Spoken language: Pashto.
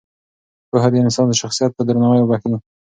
پوهه د انسان شخصیت ته درناوی بښي.